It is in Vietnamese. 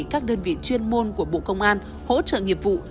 các đơn vị chuyên môn của bộ công an hỗ trợ nghiệp vụ